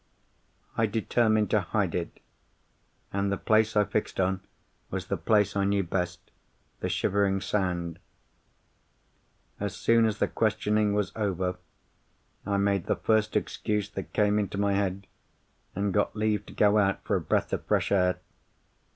"I determined to hide it; and the place I fixed on was the place I knew best—the Shivering Sand. "As soon as the questioning was over, I made the first excuse that came into my head, and got leave to go out for a breath of fresh air.